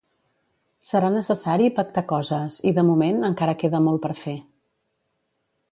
Serà necessari pactar coses i de moment encara queda molt per fer.